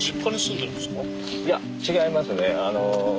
いや違いますね。